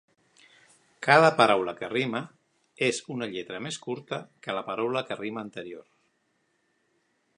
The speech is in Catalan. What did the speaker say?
Cada paraula que rima és una lletra més curta que la paraula que rima anterior.